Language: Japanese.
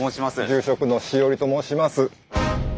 住職の塩入と申します。